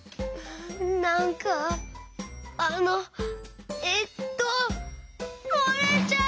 なんかあのえっともれちゃう！